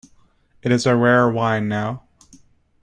It is a rare wine now.